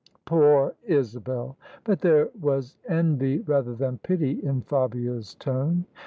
"Poor Isabel!" But there was envy rather than pity in Fabia's tone.